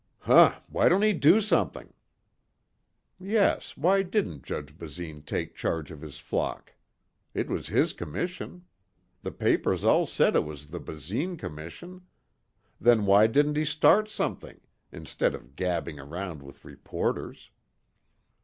"Huh, why don't he do something?" Yes, why didn't Judge Basine take charge of his flock. It was his commission. The papers all said it was the Basine Commission. Then why didn't he start something. Instead of gabbing around with reporters.